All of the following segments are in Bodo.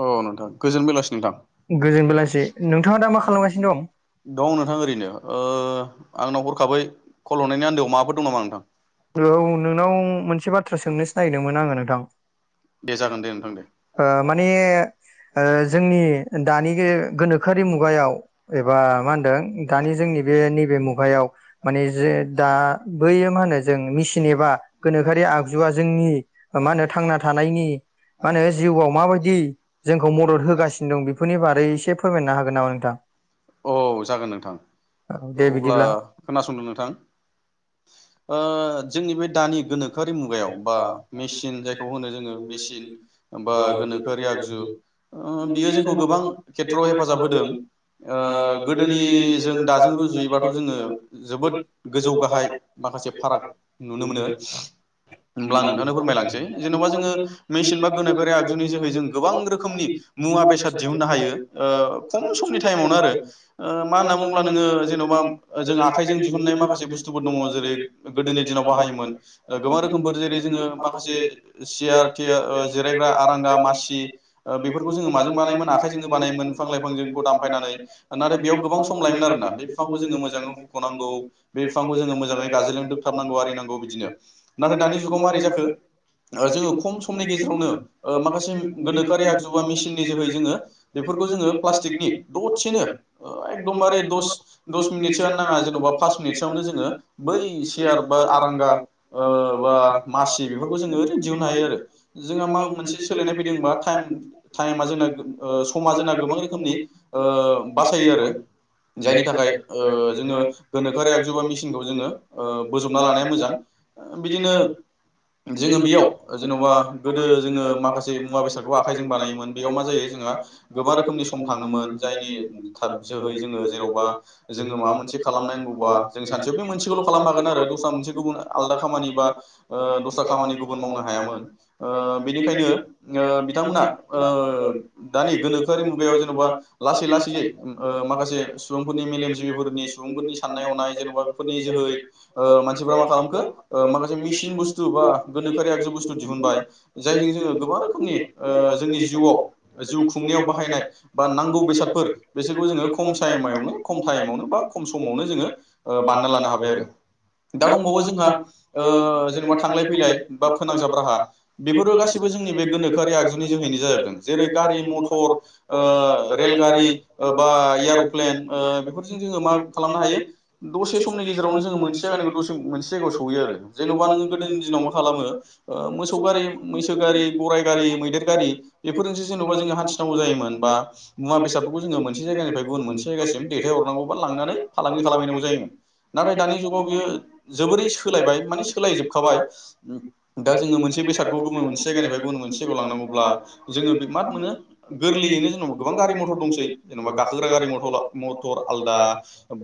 औ नोंथां गोजोन बेलासि नोंथां गोजोन बेलासे नोंथाङा दा मा खालामगासिनो दं दं नोंथां ओरैनो ओ आंनाव हरखाबै कल हरनायनि आन्दोआव माबाफोर दं नामा नोंथां। औ नोंनाव मोनसे बाथ्रा सोंनोसो नायगिरदोंमोन आङो नोंथां। दे जागोन दे नोंथां दे ओ माने ओ जोंनि दानि बे गोनोखोआरि मुगायाव एबा मा होनदों दानि जोंनि बे नैबे मुगायाव माने जे दा बैयो मा होनो मेसिन एबा गोनोखोआरि आगजुआ जोंनि मा होनो थांना थानाय माने जिउखौ मा बायदि जोंखौ मदद होगासिनो बेफोरनि बागै इसे फोरमायनो हागोन नामा नोंथाङा औ जागोन नोंथां औ दे अब्ला बिदिब्ला खोनासंदों नोंथां ओ ओ जोंनि बे दानि गोनोखोआरि मुगायाव बा मेसिन जायखौ होनो जोङो मेसिन बा गोनोखोआरि आगजु ओ बियो जोंखौ गोबां खेथ्रआव हेफाजाब होदों ओ गोदोनि जों दाजों रुजुयोबाथ' जोङो जोबोद गोजौ गाहाय माखासे फाराग नुनो मोनो होमब्ला आं नोंथांनो फोरमायलांसै जेन'बा जोङो मेसिन बा गोनोखारि आगजुनि जोहै जों गोबां रोखोमनि मुवा बेसाद दिहुननो हायो खम समनि टाइमावनो आरो मा होनना बुङोब्ला नोङो जेन'बा जों आखाइजों दिहुनन्नाय माखासे बुस्थुफोर दङ जेरै गोदोनि दिनाव बाहायोमोन गोबां रोखोमफोर जेरै जोङो माखासे सियार जिरायग्रा आरांगा मासि बेफोरखौ जोङो माजों बानायोमोन आखायजों बानायोमोन बिफां लाइफांखौ दामफायनानै नाथाय बेयाव गोबां सम लायोमोन आरोोन ना बे बिफांखौ जो मोाङै हख'नांगौ बे बिांखौ जो मोजै गोो आरिनांगौ बिदिनो नाथाय दानि जुगाव मा जाखो जोंङो खम समनि आगुाननि जोै ज ज जनि ज सियार बा आरांगा बा मासि बेफोरखौ जोङो ओरैनो दिहुननो हायो आरो जोंहा मा मोनसे सोलायनाय फैदोंबा टाइम टाइमा जोंना समा जोंना गोबां रोखोमनि बासायो आरो जायनि थाखाय जोङो गोनोखोआरि आगजुआा मेसिनखौ जोङो बोजबना लानाया मोजां बिदिनो जोङो बेयाव जेन'बा गोदो जोङो माखासे मुवा बेसादखौबो आखाइजों बानायोमोन बेयाव मा जायो जोंहा गोबां रोखोमनि सम थाङोमोन जायनि जोहै जोङो जेन'बा जोङो माबा मोनसे खालामनांगौबा जों सानसेयाव बे मोनसे खालामनो हागोन आरो दस्रा मोनसे गुबुन आलदा खामानि बा दस्रा खामानि गुबुन मावनो हायामोन बेनिखायनो बिथांमोना दानि गोनोखोआरि मुगायाव जेन'बा लासै लासैयै माखासे सुबुंफोरनि मेलेमजिबिफोरनि सुबुंफोरनि साननाय हनाय जेन'बा बेफोरनि मानसिफ्रा मा खालामखो माखासे मिसिन बुस्थु बा गोनोखोरि आगजु बुस्थु दिहुनबाय जायजों जोङो गोबां रोखोमनि जोंनि जिउआव जिउ खुंनायाव बाहायनाय बा नांगौ बेसादफोर बेसोरखौ जोङो खमाइमावनो खम टाइमावनो बा खम समावनो जोङो ब आरो दा दंबावो जोंहा जेनेबा थांलाय फैलाय बा फोनांजाब राहा बेफोरो गाैबो जोंनि बे गोनोखोआरि आगजुनि जोहैनो जाजोबदों जेरै गारि मथर रेलगारि बा एर'प्लेन बेफोरजों जोङो मा खालामनो हायो दसे समनि [unintelligible] मोसौ गारि मैसो गारि गराइ गारि मैदेर गारि बेफोरजोंसो जेन'बा जोङो हान्थिनांगौ जायोमोन बा मुवा बेसादफोरखौ जोङो मोनसे जायगानिफ्राय गुबुन मोनसे जायगासिम दैथायहरनांगौ बा लांनानै फालांगि खालामहैनांगौ जायोमोन नाथाय दानि जुगाव बियो जोबोरै सोलायबाय माने सोलायजोबखाबाय दा जोङो मोनसे बेसादखौ गुबुन मोनसे जायगानिफ्राय गुबुन मोनसे जायगायाव लांनांगौब्ला जोङो बे मा मोनो गोरलैनो जेनेबा गोबां गारि मथर दंसै जेनेबा गाखोग्रा गारि मथर आलदा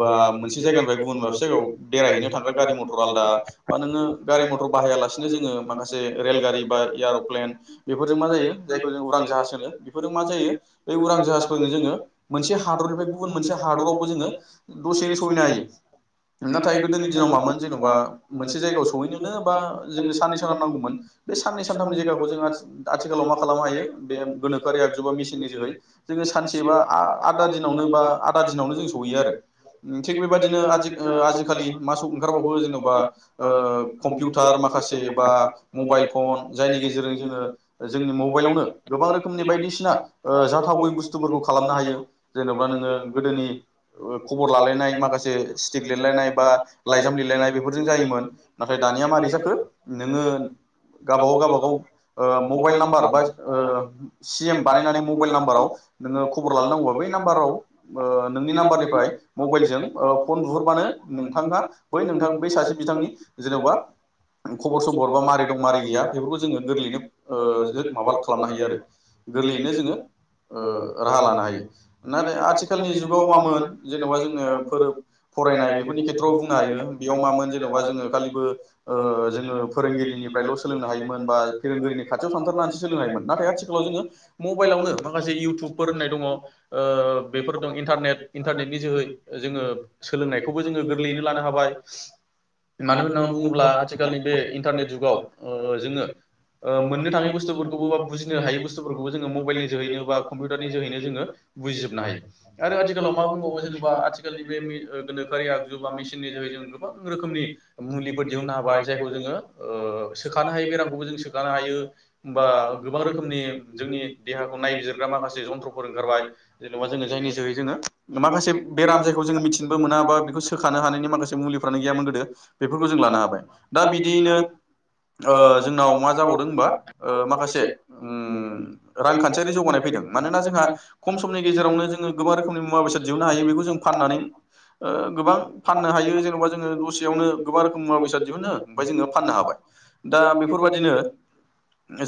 बा मोनसे जायगानिफ्राय गुबुन से जायगायाव बेरायहैनो थांग्रा गारि मथर आलादा बा नोङो गारि मथर बाहायालासेनो जोङो माखासे रेलगारि बा एयार'प्लेन बेफोरजों मा जायो जायखौ जों उरां जाहाज होनो बेफोरजों मा जायो ब उरां जाहाजफोरजों जोङो मोनसे हादरनिफ्राय गुबुन मोनसे हादरावबो जोङो दसेनो सहैनो हायो नाथाय गोदोनि दिनाव मामोन जेन'बा मोनसे जायगायाव सहैनोनो बा जोंनो साननै साननाव नांगौमोन बे साननै सानथामनि जायगाखौ जों आथिखालाव मा खालामनो हायो बे गोनोखोआरि आगजु बा मेसिननि जोहै जोङो सानसे बा आदा दिनावनो बा आदा दिनावनो जों सहैयो आरो थिग बेबायदिनो आजिखालि मा ओंखारबावो जेन'बा कम्पिउटार माखासे बा मबाइल फन जायनि गेजेरजों जोङो जोंनि मबाइलावनो गोबां रोखोमनि बायदिसिना जाथावै बुस्थुफोरखौ खालामनो हायो जेनेबा नोङो गोदोनि खबर लालायनाय माखासे सिक लिरलायनाय बा लाइजाम लिरलायनाय बेफोरजों जायोमोन नाथाय दानिया मारै जाखो नोङो गावबागाव गावबाागाव ओ मबाइल नाम्बार बा ओ सि एम बानायनानै मबाइल नाम्बाराव नोङो खबर लालनांगौबा बै नाम्बाराव ओ नोंनि नाम्बारनिफ्राय मबाइलजों अ फ बानो नोंथाङा बै नोंथां बै सासे बिथांनि जेन'बा खबर सबर बा मारै मारै गैया बेफोरखौ जोङो गोरलैनो ओ माबा खालामनो हायो आरो गोरलैयैनो जोङो ओ राहा लानो हायो नाथाय आथिखालनि जुगाव मामोन जेनेबा जोंङो फोरोब फरायनाय बेफोरनि खेथ्रआव बुंनो हायो बेयाव मामोन जेनेबा जोङो खालिबो ओ जोङो फोरोंगिरिनि ओमफ्रायल' सोलोंनो हायोमोन बा फोरोंगिरिनि खाथियाव थांथारनानैसो सोलोंनो हायोमोन नाथाय आथिखालाव जोङो मबाइलावनो माखासे इउटुबफोर होननाय दङ अ बेफोर दं इन्टारनेट इन्टारनेटनि जोहै जोङो सोलोंनायखौबो जोङो गोरलैयैनो लानो हाबाय मानो होननानै बुङोब्ला आथिखालनि बे इन्टारनेट जुगाव अ जोङो अ मोननो थाङै बुस्थुफोरखौबो बा बुजिनो हायै बुस्थुफोरखौबो जोङो मबाइलनि जोहैनो बा कम्पिउटारनि जोहैनो जोङो बुजिजोबनो हायो आरो आथिखालाव मा बुंबावो जेनेबा आथिखालनि बे गोनोरि आगजु बा मेसिननि जोहै जों गोबां रोखोमनि मुलिफोर दिहुननो हाबाय जायखौ जोङो ओ सोखानो हायोै बेरामखौबो जों सोखानो हायो बा गोबां रोखोमनि जोंनि देहाखौ नायबिजिरग्रा माखासे जन्थ्रफोर ओंखारबाय जेनेबा जोङो जायनि जोहै जोङो माखासे बेराम जायखौ जोङो मिथिनो बो मोनाबा बेखौ सोखानो हानायनि माखासे मुलिफोरानो गैयामोन गोदो बेफोरखौ जों लानो हाबाय दा बिदियैनो अ जोंनाव मा जाबावदों होनबा माखासे ओम रांखान्थियारि जौगानाय फैदों मानोना जोंहा खम समनि गेजेरावनो जोङो गोबां रोखोमनि मुवा बेसाद दिहुननो हायो बेखौ जों फाननानै अ गोबां फाननो हायो जेन'बा जोङो दसेयावनो गोबां रोखोम मुवा बेसाद दिहुनो ओमफ्राय जोङो फाननो हाबाय दा बेफोरबादिनो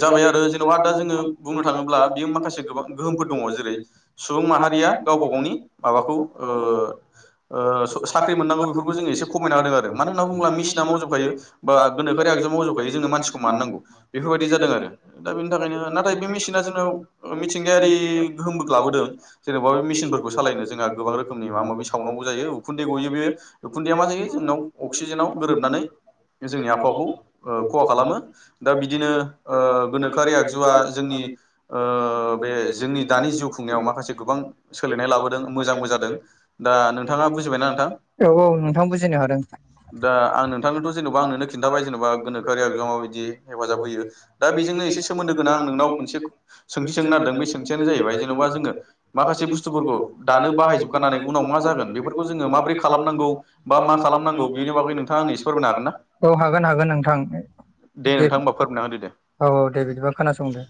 जाबाय आरो जेन'बादा जोङो बुंनो थाङोब्ला बेयो माखासे गोबां गोहोमफोर दङ जेरै सुबुं माहारिया गावबा गावनि माबाखौ ओ अ से साख्रि मोननांगौ बेफोरखौ जों एसे खमायना होदों आरो मानो होनना बुङोला म मिसिना मावजोबखायो बाोनोखोर आगजुआव मावजोबो बै जोंनो मानसिखौ मानो नांगौ बेफोरबादि जादों आरो दा बिनिथाखायनो नाथाय बे मिसिना जोंनाव मिथिंगायारि गोहोमबो लाबोदों जेनोबा से मिसिनफोरखौ सालायनो जोंहा गोबां रोखोमनि माबा माबि उखुन्दै गयो बेयो खुन्दैया मा जायो जोंनाव अक्सिजेनाव गोरोबनानै जोंनि आबहावाखौ अ खहा खालामो दा बिदिनो अ गोनोखोआरि आगजुआ जोंनि बे जोंनि दानि जिउ खुंनायाव माखासे गोबां सोलायनाय लाबोदों मोजांबो जादों दा नोंथाङा बुजिबायना नोंथां औ औ नोंथां बुजिनो हादों दा नोखोआरि आगजुवाव माबादि हेफाजाब होयो दा बेजोंनो सोमोनदो गोनां नोंनाव मोनसे सोंथि सोंथियानो जाहैबाय जेनोबा जोङो माखासे बुसतुफोरखौ दानो बाहायजोबनानै उनाव हाय मां जागोन बेफोरखौ बेखौनो जोङो माबोरै खालामनांगौ बा मा खालामनांगौ बेनि बागै नोंथाङा आंनो खालामनांगौाङा एसे बेखौ फोरमायनो हागोन ना औ हागोन हागोन नोंथां दे नोंथां होमबा फोरमायना होदो दे औ दे बिदिबा खोनासंदो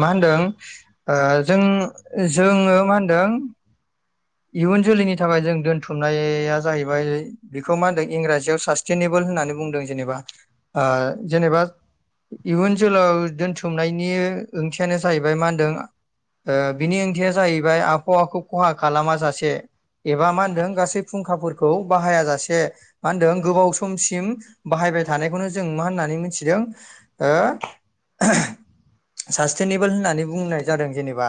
मा होनदों जों जोङो मा होनदों इयुन जोलैनि थाखाय जों दोनथुमनाया जाहैबाय बेखौ मा होनदों इंराजियाव सासटेनेबोल होननानै बुंदों जेनेबा आ जेनेबा इयुन जोलाव दोनथुमनायनि ओंथियानो जाहैबाय मा होनदों बिनि ओंथिया जाहैबाय आबहावाखौ खहा खालामा जासे एबा मा होनदों गासै फुंखाफोरखौ बाहाया जास से मा होनदों गोबाव समसिम बाहायबाय थानायखौनो जों मा होननानै मिथिदों ओ सासटेनेबोल होननानै बुंनाय जादों जेनेबा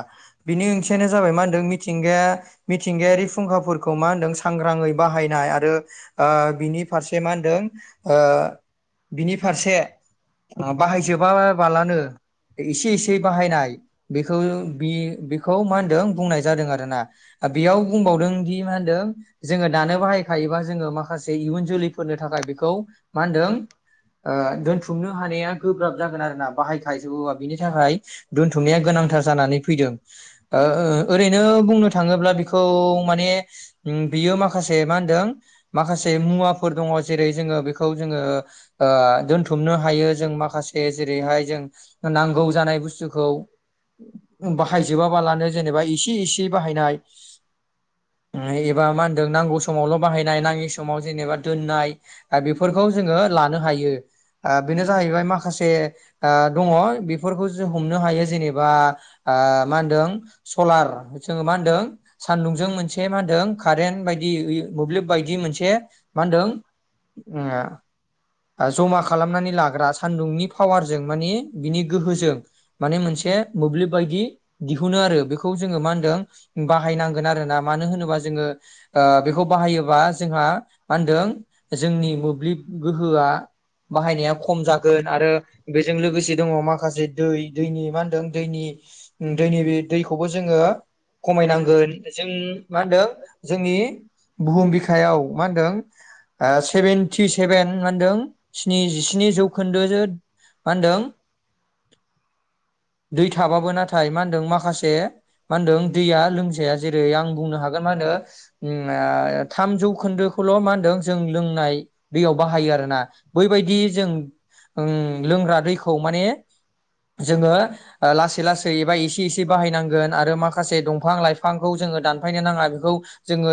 बिनि ओंथियानो जाबाय मा होनदों मिथिंगाया मिथिंगायारि फुंखाफोरखौ मा होनदों सांग्राङै बाहायनाय आरो ओ बिनि फारसे मा होनदों ओ बिनि फारसे बाहायजोबा बालानो एसे एसे बाहायनाय बेखौ बे-बेखौ मा होनदों बुंनाय जादों आरोना बेयाव बुंबावदों दि मा होनदों जोङो दानो बाहायखायोबा जोङो माखासे इयुन जोलैफोरनो थाखाय बेखौ मा होनदों ओ दोनथुमनो हानाया गोब्राब जागोन आरोना बाहायखायजोबोबा बिनि थाखाय दोनथुमनाया गोनांथार जानानै फैदों ओ ओरैनो बुंनो थाङोब्ला बेखौ माने बियो उम माखासे मा होनदों माखासे मुवाफोर दङ जेरै जोङो बेखौ जोङो ओ दोनथुमनो हायो जों माखासे जेरै हाय जों नांगौ जानाय बुस्थुखौ बाहायजोबा बालानो जेनेबा इसे इसे बाहायनाय एबा मा होनदों नांगौ समावल बाहायनाय नाङि स समाव जेनेबा दोननाय बेफोरखौ जोङो लानो हायो ओ बेनो जाहैबाय माखासे ओ दङ बेफोरखौ जों हमनो हायो जेनेबा ओ‌ मा होनदों सलार जोङो मा होनदों सान्दुंजों मोनसे मा होनदों कारेन्ट बायदि मोब्लिब बायदि मोनसे मा होनदों ओङा ओ जमा खालामनानै लारा सान्दुंनि पावारजों मानि बिनि गोहोजों मानि मोनसे बुब्लिब बायदि दिहुनो आरो बेखौ जोङो मान दों बाहायनांगोन आरोना मानो होनोबा जोङो ओ बेखौ बाहायोबा जोंहा मा मा होनदों जोंनि मोब्लिब गोहोआ बाहायनाया खम जागोन आरो बेजों लोगोसे दङ माखासे दै दैनि मा होनदों दैनि दैनि बे दैखौबो जोङो खमायनांगोन जों मा होनदों जोंनि बुहुम बिखायाव मा होनदों ओ सेबेन्टि सेबेन मा होनदों स्निजिस्नि जौखोन्दोजो मा होनदों दै थाबाबो नाथाय मा होनदों माखासे मा होनदों दैया लोंजाया जेरै आं बुंनो हागोन मा होनो ओ थामजौखोन्दोखौल' मा होनदों जों लोंनाय दैयाव बाहायो आरोना बैबायदि जों उम लोंग्रा दैखौ माने जोङो ओ लासै लासै एबा एसे एसे बाहायनांगोन आरो माख खासे दंफां लाइफांखौ जोंङो दानफायनो नांङा बेखौ जोङो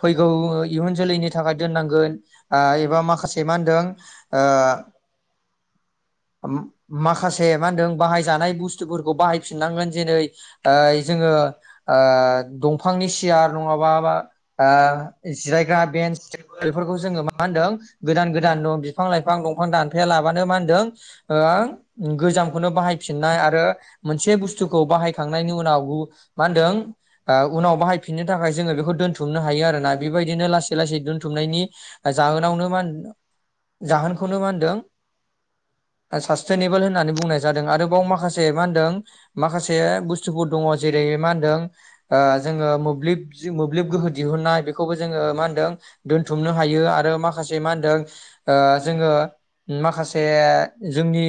फैगौ इयुन जोलैनि थाखाय दोननांगोन एबा आ माखासे मा होनदों ओ आम माखासे मा होनदों बाहायजानाय बुस्थुफोरखौ बाहायफिननांगोन जेरै ओ जोंङो ओ दंफांनि सियार नंङाबा बा ओ जिरायग्रा बेन्स बेफोरखौ जोङो मा होनदों गोदान गोदान बिफां लाइफां दंफां दानफाया लाबानो मा होनदों ओं गोजामखौनो बाहायफिननाय आरो मोनसे बुस्थुखौ बाहायखांनायनि उनाव गुबु मा होनदों ओ उनाव बाहायफिननो थाखाय जोंङो बेखौ दोनथुमनो हायो आरोना बेबायदिनो लासै लासै दोनथुमनायनि जाहोनावनो मान जाहोनखौनो मा होनदों सास्टेनिबोल होननानै बुंनाय जादों आरोबाव माखासे मा होनदों माखासे बुस्थुगर दंङ जेरै मा होनदों ओ जोंङो मोब्लिबनि गोहो दिहुननाय बेखौबो जोंङो दोनथुमनो हायो आरो माखासे मा होनदों ओ जोङो माखासे जोंनि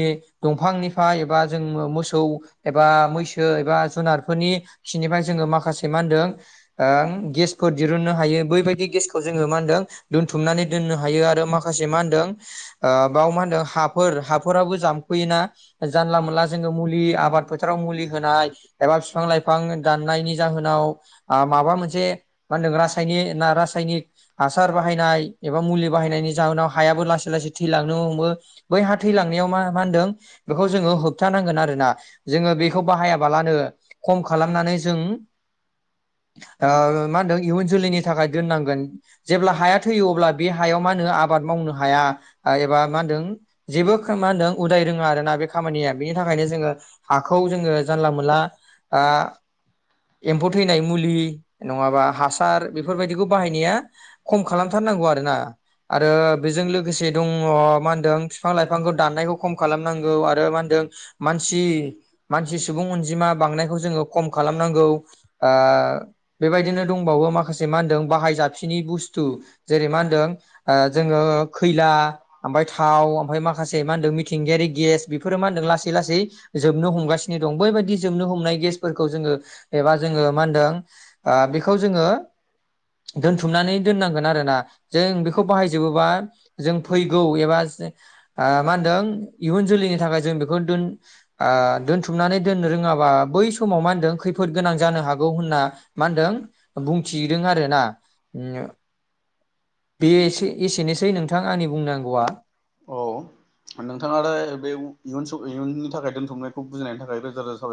दंफांनिफ्राय एबा जोंबो मोसौ एबा मैसो एबा जुनार फोरनि खिनिफ्राय जोङो माखासे मा होनदों ओ गेसफोर दहुननो हायो बै बदि गेसखौ जोंङो मा होनदों दोनथुमनानै दोननो हायो आरो माखासे मा होनदों बाव मा होनदों हाफोर हा फोराबो जामफैयोना जानला मोनला जोंङो मुलि आबाद फोथाराव मुलि होनाय एबा बिफां लाइफां दाननायनि जाहोनाव ओ माबा मोनसे मा होनदों रासायनिक हासार बाहायनाय एबा मुलि बाहनायनि जाव हायाबो लाै लासै थैलांनो हमो बै हा थैलांनो मा होन बे जोंङो होबथानांगोन आरो ना जोंङो बेखौ बाहायाबालानो खम खालामनानै जों ओ मा होनदों इयुन जोलैनि थाखाय दोननांगोन जेब्ला हाया थैयो अब्ला बे हायाव मा होनो आबाद मावनो हाया एबा मा होनदों जेबो खो उदाय रोंङा रोंङा बे खामानिया बेनि थाखायनो जोंङो हाखौ जोङों जानला मोनला ओ एम्फौ थैनाय मुलि नङाबा हासार बेफोरबायदिखौ बाहायनाया खम खालामथारनांगौ आरोना आरो बेजों लोगोसे दंङो मा होनदों बिफां लाइफांखौ खम खालामनांगौ आरो मा होनदों मनसि मानसि सुबुं अनजिमा बांनायखौ जोङोखम खालाम नांगौ ओ बेबायदिनो दंबाङी माखासे मा होनदों माखासे बाहाय जाफिनि बुस्थु जेरै मा होनदों ओ जोंङी खैला थाव ओमफाय माखासे मा होनदों मिथिंगायारि गेस बेफोरो मा होनदों लासै लासै जोबनो हमगासिनो दं बैबायदि जोबनो हमनाय गेस खौ जोंङो एबा जोंङो मा होनदों ओ बेखौ जोंङो दोनथुमनानै दोननांगोन आरोना जों बेखौ बाहायजोबोबा जों फैगौ एबा जे ओ मा होनदों इयुन जोलैनि थाखाय जों बेखौन दोन ओ दोनथुमनानै दोननो रोंङाबा बै सम समाव मा होन्दों खैफोद गोनां जानो हागौ होनना मा होनदों बुंथिदों आरोना ओम से एसे एसेनोसै नोंथां आंनि बुंनांगौया अ नोंथांयालाय बे इउन सु इउननि थाखाय दोनथुमनायखौ बुजिनायनि थाखाय रोजा रोजा साबाय